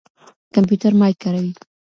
کمپيوټر مايک کاروي.